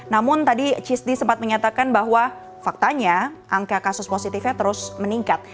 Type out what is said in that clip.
namun tadi cisdi sempat menyatakan bahwa faktanya angka kasus positifnya terus meningkat